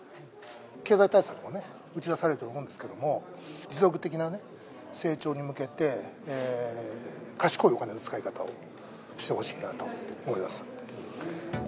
経済対策も打ち出されると思いますけれども、持続的な成長に向けて、賢いお金の使い方をしてほしいなと思います。